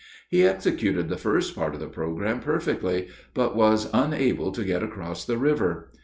He executed the first part of the program perfectly, but was unable to get across the river.